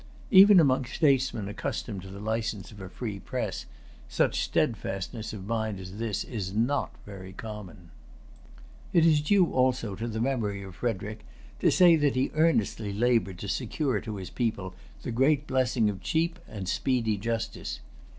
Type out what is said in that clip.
Even among statesmen accustomed to the license of a free press, such steadfastness of mind as this is not very common. It is due also to the memory of Frederic to say that he earnestly labored to secure to his people the great blessing of cheap and speedy justice.